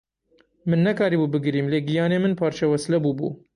Min nekarîbû bigirîm; lê giyanê min parçewesle bûbû.